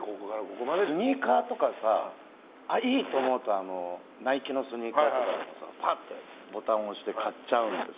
スニーカーとかさいいって思うとナイキのスニーカーとかでもボタン押して買っちゃうんです。